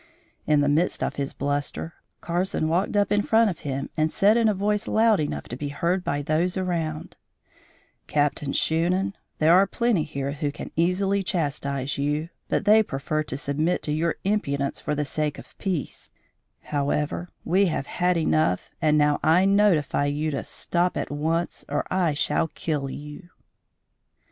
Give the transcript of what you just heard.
In the midst of his bluster, Carson walked up in front of him and said in a voice loud enough to be heard by those around: "Captain Shunan, there are plenty here who can easily chastise you, but they prefer to submit to your impudence for the sake of peace: however, we have had enough and now I notify you to stop at once or I shall kill you!"